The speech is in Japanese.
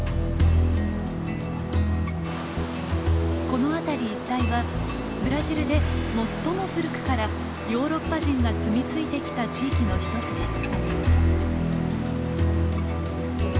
この辺り一帯はブラジルで最も古くからヨーロッパ人が住み着いてきた地域のひとつです。